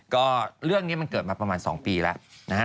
ก็เรื่องนี้มันเกิดมาประมาณ๒ปีแล้วนะครับ